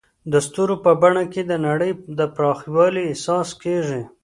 د ستورو په بڼه کې د نړۍ د پراخوالي احساس کېږي.